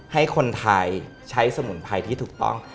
ให้คนไทยใช้สมุนไพรที่ถูกต้อง